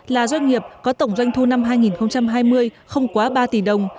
là doanh nghiệp có tổng doanh thu năm hai nghìn hai mươi không quá ba tỷ đồng